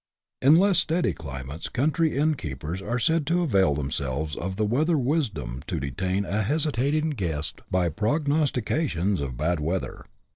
In less steady climates country innkeepers are said to avail themselves of their weather wisdom to detain a hesitating guest by prognostications of bad weather.